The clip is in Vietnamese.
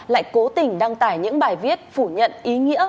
lại cố tình đăng tải những bài viết phủ nhận ý nghĩa